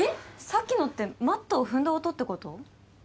さっきのってマットを踏んだ音って事？